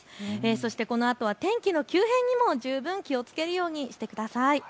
そしてこのあとは天気の急変にも十分気をつけるようにしてください。